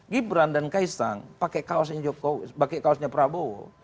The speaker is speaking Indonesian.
gibran dan kaisang pakai kaosnya prabowo